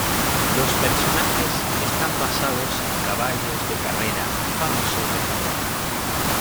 Los personajes están basados en caballos de carrera famosos de Japón.